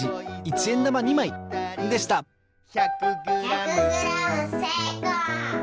１００グラムせいこう！